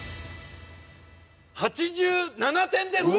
８７点です！